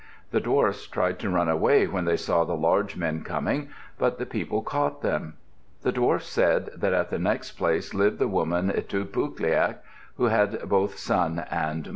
The dwarfs tried to run away when they saw the large men coming. But the people caught them. The dwarfs said that at the next place lived the woman Itudluqpiaq who had both sun and moon.